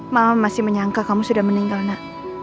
mama masih menyangka kamu sudah meninggal nak